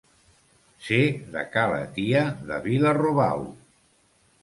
Ser de ca la tia de Vila-robau.